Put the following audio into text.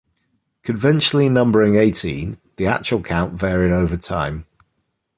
Conventionally numbering eighteen, the actual count varied over time.